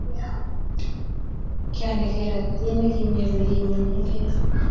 Kiandekei ratilit ne kimi Ole kiunegei